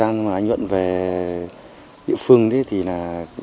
trong thời gian anh nguyễn về địa phương anh nguyễn về địa phương